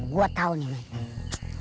gua tau nih men